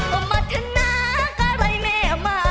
โอ้มัธนากลายแม่มา